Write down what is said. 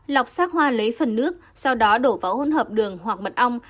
lọc xác hoa lấy phần nước sau đó đổ vào hỗn hợp đường hoặc mật ong